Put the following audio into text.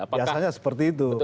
biasanya seperti itu